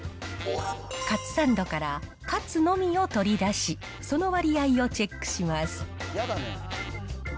カツサンドからカツのみを取り出し、その割合をチェックします。